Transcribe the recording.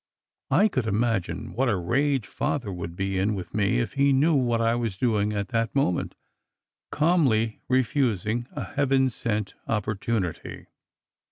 I could imagine what a rage Father would be in with me if he knew what I was doing at that moment, calmly refusing a heaven sent opportunity.